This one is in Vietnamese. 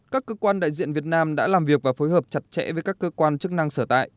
các cơ quan đại diện việt nam đã làm việc và phối hợp chặt chẽ với các cơ quan chức năng sở tại